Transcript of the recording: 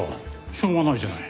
しょうがないじゃない。